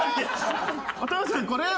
お父さんこれよ。